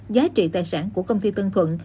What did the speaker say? giá trị tài sản của công ty tân thuận